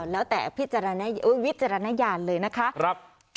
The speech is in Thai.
แล้วแต่วิจารณญาณเลยนะคะ